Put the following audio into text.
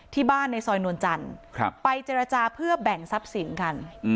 ในซอยนวลจันทร์ไปเจรจาเพื่อแบ่งทรัพย์สินกัน